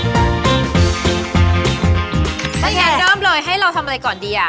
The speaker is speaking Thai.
มาแขนเลิมเลยให้เราทำอะไรก่อนดีอ่ะ